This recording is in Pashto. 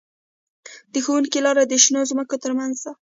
د ښوونځي لاره د شنو ځمکو ترمنځ وه